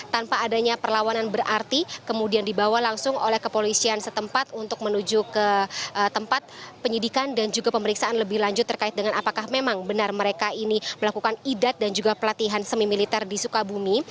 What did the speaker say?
tanpa adanya perlawanan berarti kemudian dibawa langsung oleh kepolisian setempat untuk menuju ke tempat penyidikan dan juga pemeriksaan lebih lanjut terkait dengan apakah memang benar mereka ini melakukan idat dan juga pelatihan semi militer di sukabumi